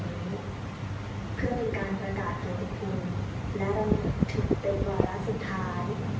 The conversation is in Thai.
เพื่อเป็นการประกาศให้ทุกคนและระมุดถึงเป็นวัลละสุดท้าย